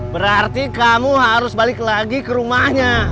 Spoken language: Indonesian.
berarti kamu harus balik lagi ke rumahnya